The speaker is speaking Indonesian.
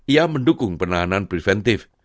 ia mendukung peranan preventif